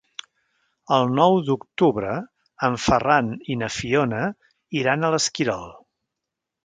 El nou d'octubre en Ferran i na Fiona iran a l'Esquirol.